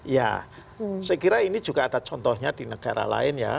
ya saya kira ini juga ada contohnya di negara lain ya